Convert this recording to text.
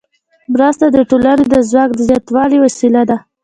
مرسته د ټولنې د ځواک د زیاتوالي وسیله ده.